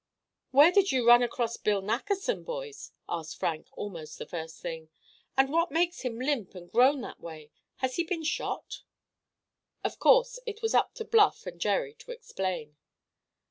"Where did you run across Bill Nackerson, boys?" asked Frank, almost the first thing. "And what makes him limp and groan that way? Has he been shot?" Of course it was up to Bluff and Jerry to explain.